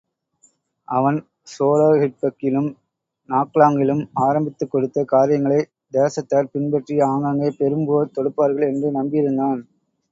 அவன் ஸோலோஹெட்பக்கிலும், நாக்லாங்கிலும் ஆரம்பித்துக் கொடுத்த காரியங்களைத் தேசத்தார் பின்பற்றி ஆங்காங்கே பெரும் போர் தொடுப்பார்கள் என்று நம்பியிருந்தான்.